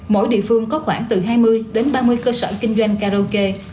mỗi địa phương có khoảng từ hai mươi đến ba mươi cơ sở kinh doanh karaoke